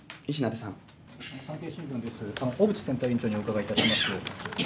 小渕選対委員長にお伺いいたします。